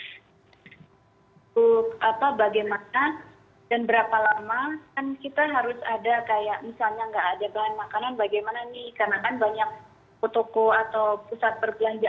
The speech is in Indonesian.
untuk apa bagaimana dan berapa lama kan kita harus ada kayak misalnya nggak ada bahan makanan bagaimana nih karena kan banyak toko atau pusat perbelanjaan